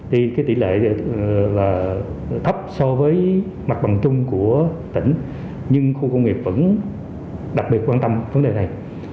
thì cái tỷ lệ là thấp so với mặt bằng chung của tỉnh nhưng khu công nghiệp vẫn đặc biệt quan tâm vấn đề này